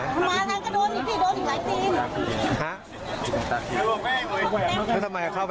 มันไม่ใช่แบบนี้มันมีการบุญ